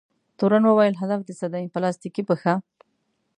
تورن وویل: هدف دې څه دی؟ پلاستیکي پښه؟